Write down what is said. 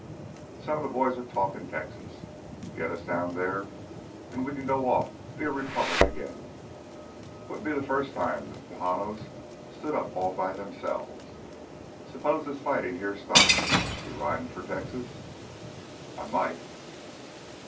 "Some of the boys are talkin' Texas. Git us down theah an' we can go off be a republic again. Wouldn't be the first time the Tejanos stood up all by themselves. Supposin' this fightin' heah stops ... you ridin' for Texas?" "I might."